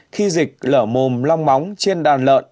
khi dịch lở mồm long móng trên đàn lợn